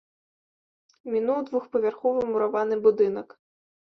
Мінуў двухпавярховы мураваны будынак.